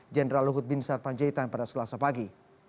jenderal luhut bin sarpanjaitan pada selasa pagi